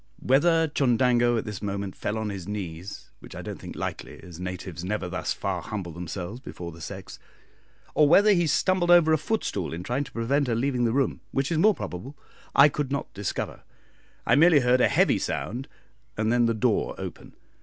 Whether Chundango at this moment fell on his knees, which I don't think likely, as natives never thus far humble themselves before the sex, or whether he stumbled over a footstool in trying to prevent her leaving the room which is more probable I could not discover. I merely heard a heavy sound and then the door open.